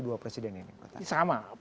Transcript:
dua presiden ini sama